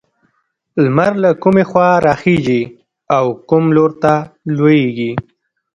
لمر له کومې خوا راخيژي او کوم لور ته لوېږي؟